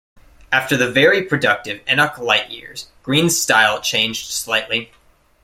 After the very productive Enoch Light years, Green's style changed slightly.